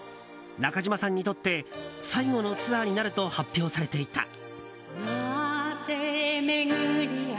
中島さんにとって最後のツアーになると発表されていた。